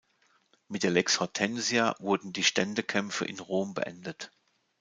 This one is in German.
Mit der Lex Hortensia wurden die Ständekämpfe in Rom beendet.